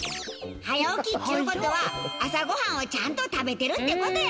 早起きっちゅう事は朝ご飯をちゃんと食べてるって事や。